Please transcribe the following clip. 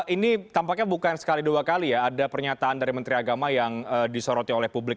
ini tampaknya bukan sekali dua kali ya ada pernyataan dari menteri agama yang disoroti oleh publik